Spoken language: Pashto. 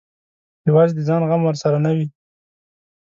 یوازې د ځان غم ورسره نه وي.